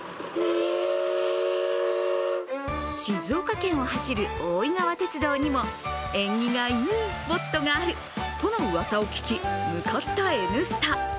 静岡県を走る大井川鐵道にも縁起がいいスポットがあるとのうわさを聞き向かった「Ｎスタ」。